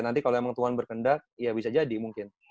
nanti kalau emang tuhan berkendak ya bisa jadi mungkin